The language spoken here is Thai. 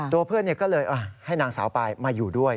ตัวเพื่อนก็เลยให้นางสาวปลายมาอยู่ด้วย